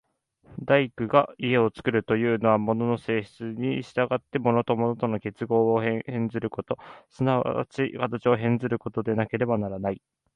大工が家を造るというのは、物の性質に従って物と物との結合を変ずること、即ち形を変ずることでなければならない。